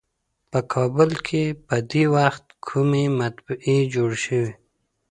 په کابل کې په دې وخت کومې مطبعې جوړې شوې.